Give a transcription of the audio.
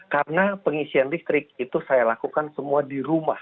karena pengisian listrik itu saya lakukan semua di rumah